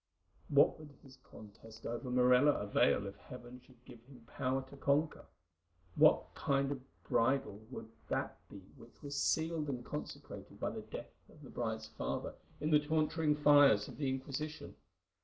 What would his conquest over Morella avail if Heaven should give him power to conquer? What kind of a bridal would that be which was sealed and consecrated by the death of the bride's father in the torturing fires of the Inquisition?